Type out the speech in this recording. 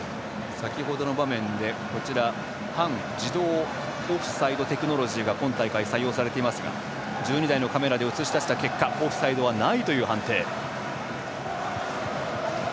先ほどの場面で半自動判定オフサイドテクノロジーが今大会、採用されていますが１２台のカメラで映し出した結果オフサイドはないという判定。